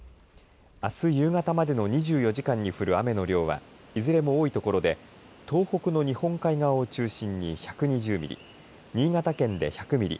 あす夕方までの２４時間に降る雨の量はいずれも多いところで東北の日本海側を中心に１２０ミリ新潟県で１００ミリ